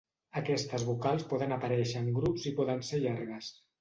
Aquestes vocals poden aparèixer en grups i poden ser llargues.